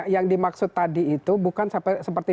yang dimaksud tadi itu bukan seperti